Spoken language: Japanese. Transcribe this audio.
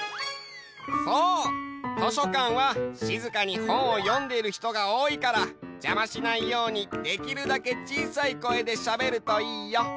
そう！としょかんはしずかにほんをよんでいるひとがおおいからじゃましないようにできるだけちいさい声でしゃべるといいよ。